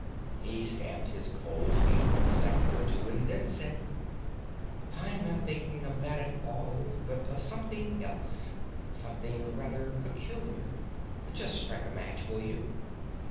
He stamped his cold feet for a second or two, and then said: "I'm not thinking of that at all, but of something else; something rather peculiar. Just strike a match, will you?"